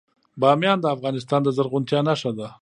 بامیان د افغانستان د زرغونتیا نښه ده.